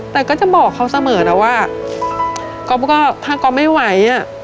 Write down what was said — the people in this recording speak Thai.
แต่ก็จะบอกเขาเสมอนะว่าก๊อฟก็ถ้าก๊อฟไม่ไหวอ่ะ